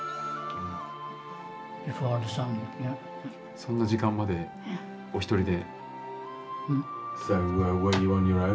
そんな時間までお一人で？